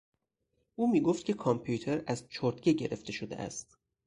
او میگفت که کامپیوتر از چرتکه گرفته شده است.